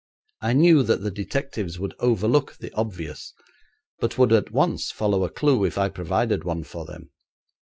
I knew that the detectives would overlook the obvious, but would at once follow a clue if I provided one for them.